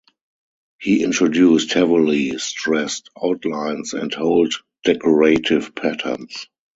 He introduced heavily stressed outlines and bold decorative patterns.